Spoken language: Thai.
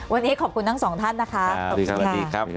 วันนี้ขอบคุณทั้งสองท่านนะคะขอบคุณค่ะ